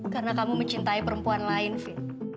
karena kamu mencintai perempuan lain fi